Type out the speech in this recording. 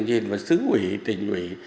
nhìn vào sứ ủy tình ủy